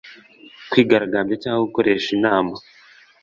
kwigaragambya cyangwa gukoresha inama